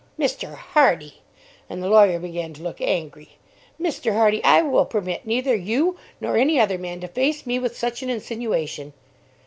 "Mr. Hardy!" and the lawyer began to look angry. "Mr. Hardy, I will permit neither you nor any other man to face me with such an insinuation.